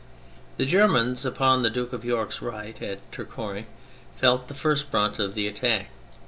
The Germans, upon the Duke of York's right at Tourcoing, felt the first brunt of the attack.